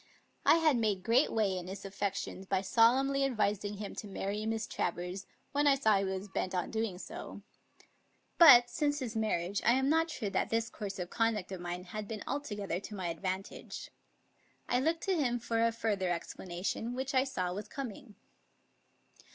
I had made great way in his affec tions by solemnly advising him to marry Miss Travers when I saw he was bent on doing so; but, since his mar riage, I am not sure fhat this course of conduct of mine had been altogether to my advantage. I looked to him for a further explanation, which I saw was coming.